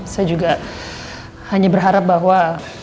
saya juga hanya berharap bahwa